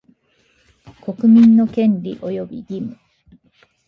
国民の権利及び義務